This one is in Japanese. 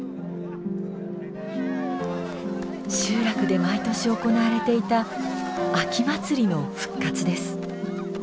集落で毎年行われていた秋祭りの復活です。